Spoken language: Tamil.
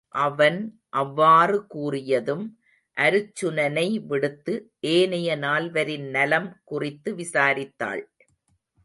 அவன் அவ்வாறு கூறியதும் அருச்சுனனை விடுத்து ஏனைய நால்வரின் நலம் குறித்து விசாரித்தாள்.